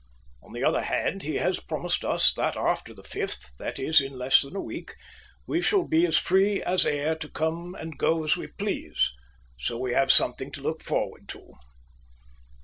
On the other hand, he has promised us that after the fifth that is, in less than a week we shall be as free as air to come or go as we please, so we have something to look forward to.